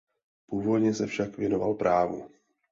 Původně se však věnoval právu.